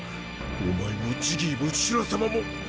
お前もジギーもシュラさまも。